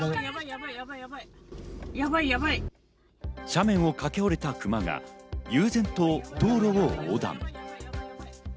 斜面を駆け下りたクマが、悠然と道路を横断。